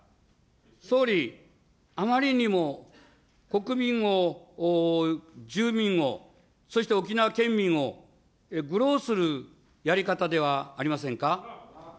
総理、あまりにも国民を、住民を、そして沖縄県民を、愚弄するやり方ではありませんか。